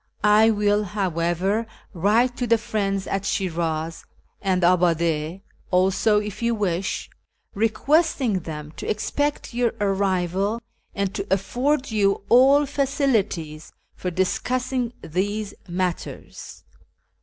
I will, however, write to the ' Friends ' at Sln'raz, and Abiide also if you wish, requesting them to expect your arrival, and to afford you all facilities for discussing these matters.